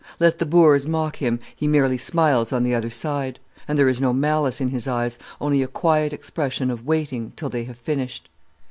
Let the boors mock him, he merely smiles on the other side, and there is no malice in his eyes, only a quiet expression of waiting till they have finished.